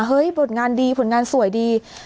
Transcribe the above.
ผลงานดีผลงานสวยดี